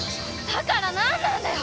だから何なんだよ！？